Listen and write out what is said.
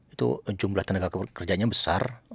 itu jumlah tenaga kerjanya besar